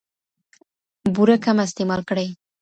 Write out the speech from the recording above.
بوره کمه استعمال کړئ.